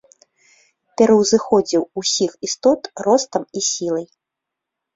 Пераўзыходзіў усіх істот ростам і сілай.